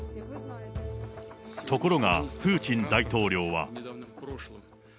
ところがプーチン大統領は。